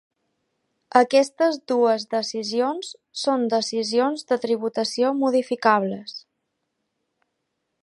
Aquestes dues decisions són decisions de tributació modificables.